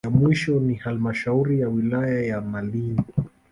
Ya mwisho ni halmashauri ya wilaya ya Malinyi